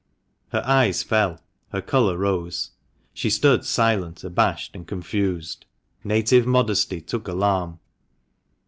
Her eyes fell — her colour rose. She stood silent, abashed, and confused. Native modesty took alarm.